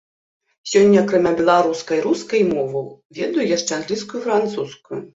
Сёння акрамя беларускай, рускай моваў, ведаю яшчэ англійскую і французскую.